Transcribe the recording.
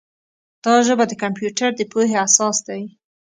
دا ژبه د کمپیوټر د پوهې اساس دی.